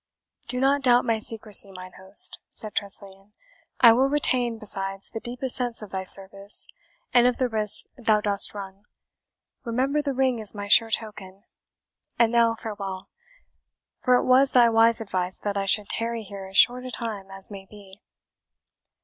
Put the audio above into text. "Do not doubt my secrecy, mine host," said Tressilian; "I will retain, besides, the deepest sense of thy service, and of the risk thou dost run remember the ring is my sure token. And now, farewell! for it was thy wise advice that I should tarry here as short a time as may be."